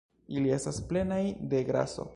Ili estas plenaj de graso